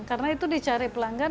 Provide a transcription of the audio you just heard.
karena itu dicari pelanggan